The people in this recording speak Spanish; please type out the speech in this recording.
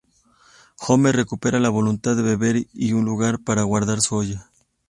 Homer recupera la voluntad de beber y un lugar para guardar su olla.